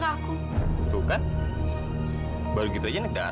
kakak and exce tersisa saja orang your empat